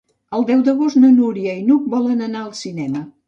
El deu d'agost na Núria i n'Hug volen anar al cinema.